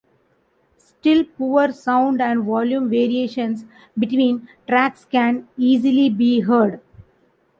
Still, poor sound and volume variations between tracks can easily be heard.